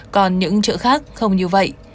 còn những chợ khác không như vậy